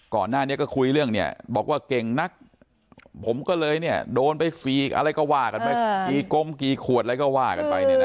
ก่อนหน้านี้ก็คุยเรื่องเนี่ยบอกว่าเก่งนักผมก็เลยเนี่ยโดนไป๔อะไรก็ว่ากันไปกี่กลมกี่ขวดอะไรก็ว่ากันไปเนี่ยนะ